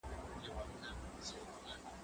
زه به سبا سبزیحات وچوم؟!